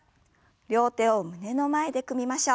両手を胸の前で組みましょう。